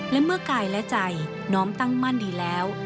และเมื่อกายและใจน้อมตั้งมั่นดีแล้ว